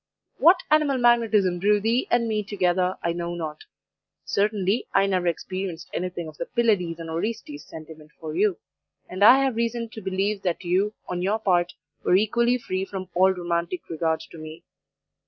What animal magnetism drew thee and me together I know not; certainly I never experienced anything of the Pylades and Orestes sentiment for you, and I have reason to believe that you, on your part, were equally free from all romantic regard to me.